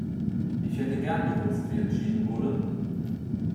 Ich hätte gern gewusst, wie entschieden wurde.